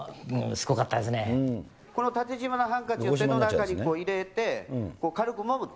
この縦じまのハンカチを手の中に入れて、軽くもむ。